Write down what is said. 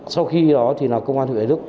sau khi đó thì là công an thủy đại đức